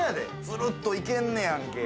つるっといけんねやんけ。